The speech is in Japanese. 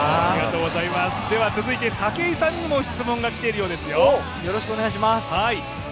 続いて武井さんにも質問が来ているようですよ。